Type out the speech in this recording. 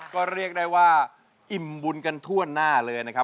ก็เรียกได้ว่าอิ่มบุญกันทั่วหน้าเลยนะครับ